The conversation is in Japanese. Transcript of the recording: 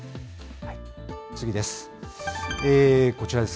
次です。